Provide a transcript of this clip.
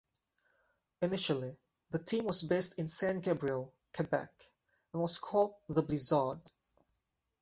Initially, the team was based in Saint-Gabriel, Quebec and was called the Blizzard.